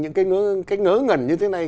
những cái ngớ ngẩn như thế này